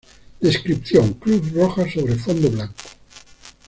Descripción: Cruz Roja sobre fondo blanco.